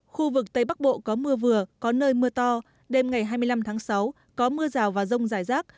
khu vực tây bắc bộ có mưa vừa có nơi mưa to đêm ngày hai mươi năm tháng sáu có mưa rào và rông rải rác